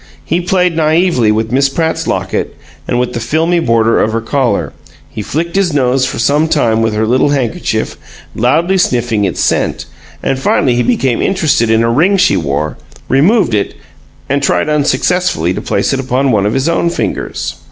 He played naively with Miss Pratt's locket and with the filmy border of her collar; he flicked his nose for some time with her little handkerchief, loudly sniffing its scent; and finally he became interested in a ring she wore, removed it, and tried unsuccessfully to place it upon one of his own fingers.